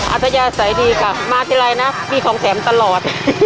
อาจจะใสดีกะมาที่ไรนะมีของแถมตลอด